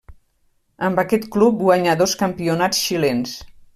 Amb aquest club guanyà dos campionats xilens.